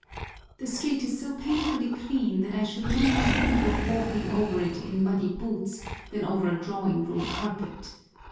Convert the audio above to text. The street is so painfully clean that I should no more think of walking over it in muddy boots than over a drawing room carpet.